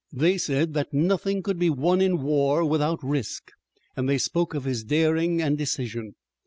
They said that nothing could be won in war without risk, and they spoke of his daring and decision.